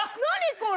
これ。